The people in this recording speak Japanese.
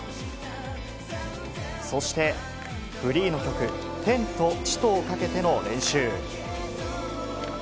そして、フリーの曲、天と地とをかけての練習。